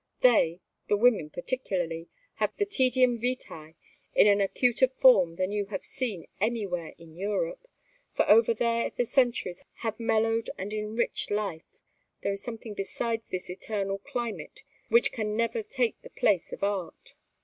They the women particularly have the tedium vitæ in an acuter form than you have seen anywhere in Europe, for over there the centuries have mellowed and enriched life; there is something besides this eternal climate which can never take the place of art.